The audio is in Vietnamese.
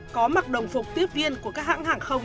có mặc đồng phục tiếp viên của các hãng hàng không